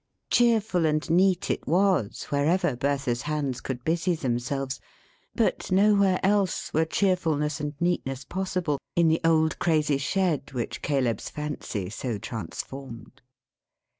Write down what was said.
Cheerful and neat it was, wherever Bertha's hands could busy themselves. But nowhere else, were cheerfulness and neatness possible, in the old crazy shed which Caleb's fancy so transformed.